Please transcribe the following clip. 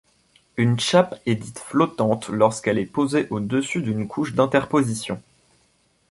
Une chape est dite flottante lorsqu'elle est posée au-dessus d'une couche d'interposition.